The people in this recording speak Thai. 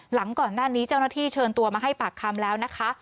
หลังก่อนหน้านี้เจ้าหน้าที่เชิญตัวมาให้ปากคำแล้วนะคะ